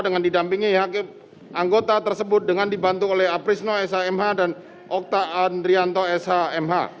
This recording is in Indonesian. dengan didampingi hakim anggota tersebut dengan dibantu oleh aprisno s a m h dan okta andrianto s a m h